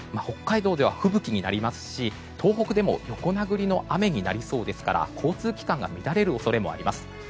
北海道では吹雪になりますし東北でも横殴りの雨になりそうですから交通機関が乱れる恐れもあります。